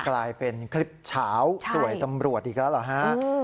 กลายเป็นคลิปเฉาสวยตำรวจอีกแล้วเหรอฮะ